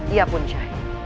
ia pun syahir